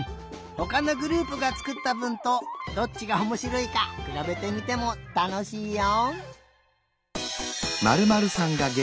ほかのグループがつくったぶんとどっちがおもしろいかくらべてみてもたのしいよ。